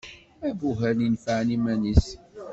Abuhal inefɛen iman-is.